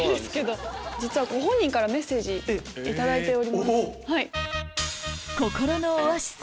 実はご本人からメッセージ頂いております。